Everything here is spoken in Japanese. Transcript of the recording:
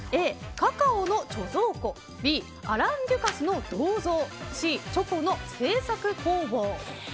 Ａ、カカオの貯蔵庫Ｂ、アラン・デュカスの銅像Ｃ、チョコの製作工房。